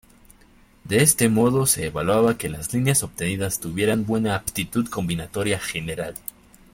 De este modo se evaluaba que las líneas obtenidas tuvieran buena aptitud combinatoria general.